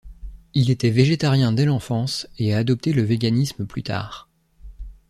Il était végétarien dès l'enfance et a adopté le véganisme plus tard.